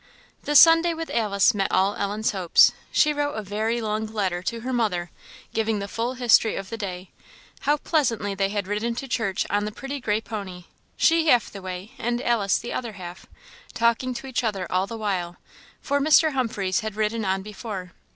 The Sunday with Alice met all Ellen's hopes. She wrote a very long letter to her mother, giving the full history of the day. How pleasantly they had ridden to church on the pretty gray pony she half the way and Alice the other half, talking to each other all the while; for Mr. Humphreys had ridden on before.